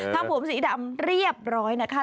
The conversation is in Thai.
ผมสีดำเรียบร้อยนะคะ